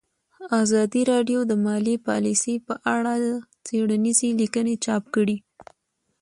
ازادي راډیو د مالي پالیسي په اړه څېړنیزې لیکنې چاپ کړي.